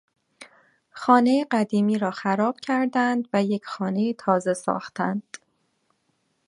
خانهی قدیمی را خراب کردند و یک خانهی تازه ساختند.